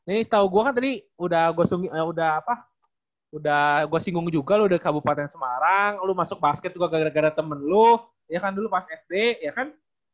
ini setau gua kan tadi udah gua singgung juga lu udah kabupaten semarang lu masuk basket juga gara gara temen lu ya kan dulu pas sd ya kan